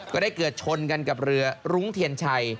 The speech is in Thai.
ก็ได้เกิดชนกันกับเรือรุ้งเทียนชัย